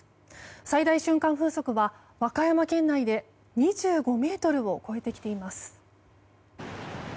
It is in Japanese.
最大瞬間風速は、和歌山県内で２５メートルを超えてきています。